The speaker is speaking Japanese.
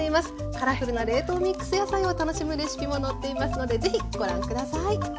カラフルな冷凍ミックス野菜を楽しむレシピも載っていますので是非ご覧下さい。